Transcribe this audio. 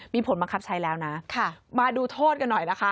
มีผลบังคับใช้แล้วนะมาดูโทษกันหน่อยนะคะ